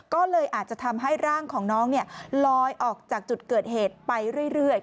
ก็เลยอาจจะทำให้ร่างของน้องลอยออกจากจุดเกิดเหตุไปเรื่อย